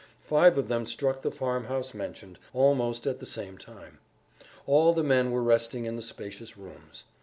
Five of them struck the farmhouse mentioned, almost at the same time. All the men were resting in the spacious rooms.